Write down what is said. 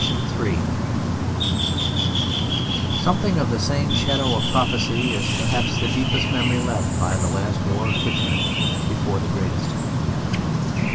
Something of the same shadow of prophecy is perhaps the deepest memory left by the last war of Kitchener before the greatest.